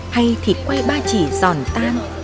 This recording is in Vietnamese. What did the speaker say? hay thịt quay ba chỉ giòn tan